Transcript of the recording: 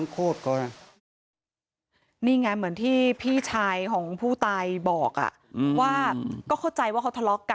พ่อตาไม่ปลอดภัยเที่ยว่า